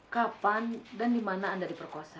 kapan dan dimana anda diperkosa